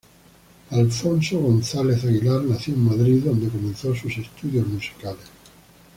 Alfonso González Aguilar nació en Madrid, donde comenzó sus estudios musicales.